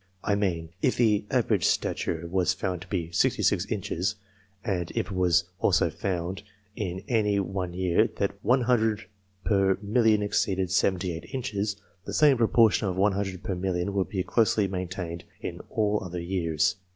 I mean, if the average stature was found to be sixty six inches, and if it was also found in any one year that 100 per million exceeded seventy eight inches, the same proportion of 100 per million would be closely maintained in all other years.